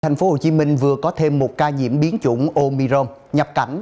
thành phố hồ chí minh vừa có thêm một ca nhiễm biến chủng omicron nhập cảnh